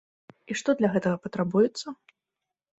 І што для гэтага патрабуецца?